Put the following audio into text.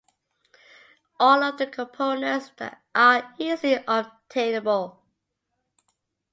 All of the components are easily obtainable.